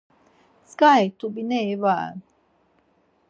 Tzǩari t̆ubineri va ren.